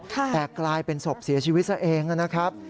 แต่กลายเป็นศพเสียชีวิตซะเองนะครับ